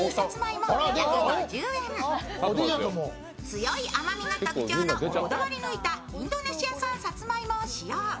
強い甘味が特徴のこだわり抜いたインドネシア産さつまいもを使用。